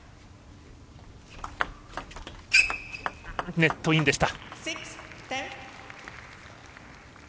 ネットインでした。